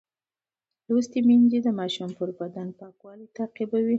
لوستې میندې د ماشوم پر بدن پاکوالی تعقیبوي.